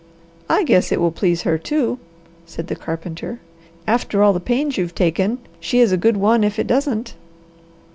"I guess it will please her, too," said the carpenter. "After all the pains you've taken, she is a good one if it doesn't."